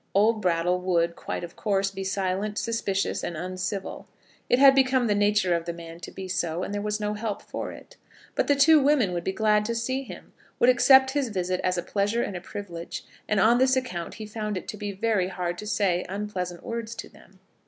Old Brattle would, quite of course, be silent, suspicious, and uncivil. It had become the nature of the man to be so, and there was no help for it. But the two women would be glad to see him, would accept his visit as a pleasure and a privilege; and on this account he found it to be very hard to say unpleasant words to them.